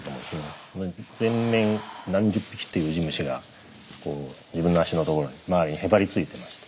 全面何十匹っていううじ虫が自分の足のところに周りにへばりついてまして。